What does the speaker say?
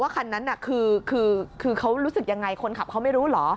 คันนั้นคือเขารู้สึกยังไงคนขับเขาไม่รู้เหรอ